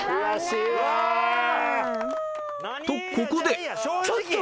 ここで